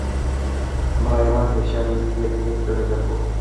ভাই, আমার হিসাব মিটিয়ে দিলে চলে যাবো।